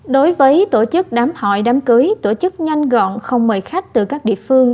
đối với tổ chức đám hội đám cưới tổ chức nhanh gọn không mời khách từ các địa phương